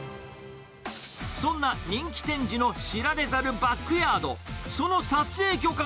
そんな人気展示の知られざるバックヤード。